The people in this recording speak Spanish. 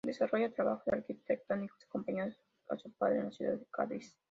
Desarrolla trabajos arquitectónicos, acompañando a su padre, en la ciudad de Cádiz.